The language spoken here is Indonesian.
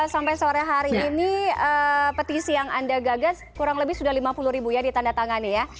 sampai sore hari ini petisi yang anda gagal kurang lebih sudah lima puluh ribu ya di tanda tangannya ya